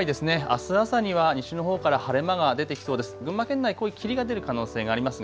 あす朝には西のほうから晴れ間が出てきそうです。